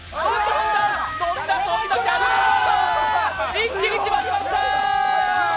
一気に決まりました！